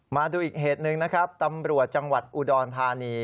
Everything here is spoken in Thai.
มาดูอีกเหตุหนึ่งนะครับตำรวจจังหวัดอุดรธานี